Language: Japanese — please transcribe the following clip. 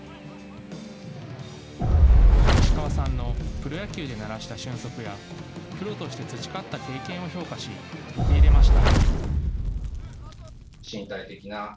石川さんのプロ野球でならした俊足やプロとして培った経験を評価し受け入れました。